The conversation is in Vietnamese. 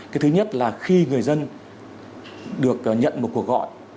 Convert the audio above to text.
cái thứ nhất là khi người dân được nhận một cuộc gọi